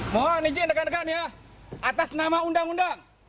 mohon izin dekat dekatnya atas nama undang undang